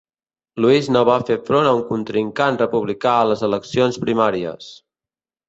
Luis no va fer front a un contrincant republicà a les eleccions primàries.